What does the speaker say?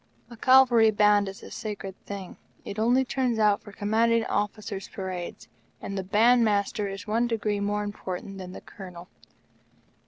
A Cavalry Band is a sacred thing. It only turns out for Commanding Officers' parades, and the Band Master is one degree more important than the Colonel.